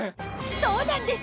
そうなんです